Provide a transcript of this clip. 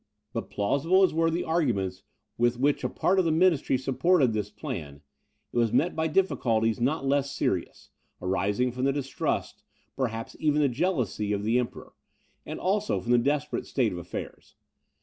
But plausible as were the arguments with which a part of the ministry supported this plan, it was met by difficulties not less serious, arising from the distrust, perhaps even the jealousy, of the Emperor, and also from the desperate state of affairs.